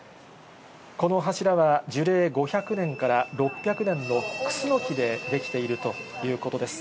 この柱は、樹齢５００年から６００年のクスノキで出来ているということです。